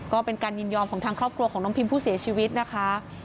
ก็เป็นการยินยอมของทางครอบครัวของน้องพิมผู้เสียชีวิตนะคะ